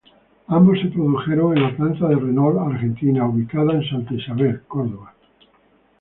Ambos se produjeron en la planta de Renault Argentina ubicada en Santa Isabel, Córdoba.